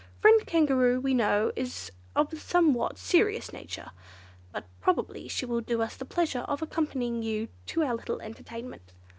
Friend Kangaroo, we know, is of a somewhat serious nature, but probably she will do us the pleasure of accompanying you to our little entertainment."